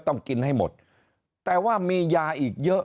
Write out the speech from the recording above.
ต้องกินให้หมดแต่ว่ามียาอีกเยอะ